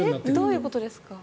どういうことですか？